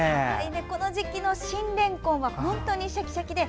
この時期の新れんこんは本当にシャキシャキで。